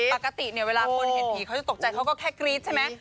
ปกติเนี่ยเวลาคนเห็นผีเขาจะตกใจเขาก็แค่กรี๊ดใช่ไหม